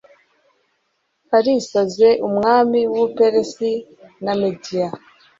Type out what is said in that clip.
arizase, umwami w'ubuperisi na mediya